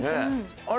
あれ？